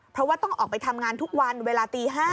เพราะว่าต้องออกไปทำงานทุกวันเวลาตี๕